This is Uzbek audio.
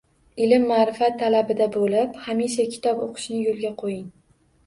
Ilm-ma’rifat talabida bo‘lib, hamisha kitob o‘qishni yo‘lga qo‘ying.